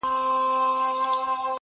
اوس په اسانه باندي هيچا ته لاس نه ورکوم؛